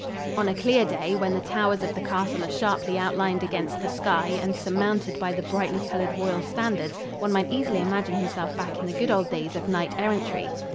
On a clear day, when the towers of the castle are sharply outlined against the sky and surmounted by the brightly colored royal standards, one might easily imagine himself back in the good old days of knight errantry.